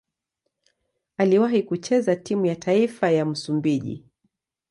Aliwahi kucheza timu ya taifa ya Msumbiji.